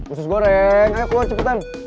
usus goreng ayo keluar cepetan